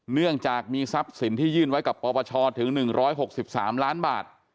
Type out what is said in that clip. เนื่องจากมีทรัพย์สินที่ยื่นไว้กับปปชถึง๑๖๓ล้านบาท